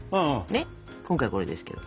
ねっ今回これですけど。